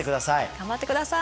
頑張って下さい。